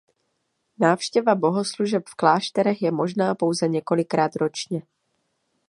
Návštěva bohoslužeb v klášterech je možná pouze několikrát ročně.